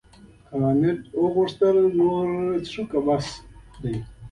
کانت وپوښتل نور څښو که بس دی.